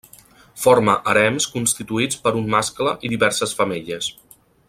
Forma harems constituïts per un mascle i diverses femelles.